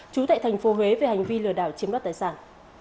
chú tại thành phố huế về hành vi lừa đảo chiếm đoát tài sản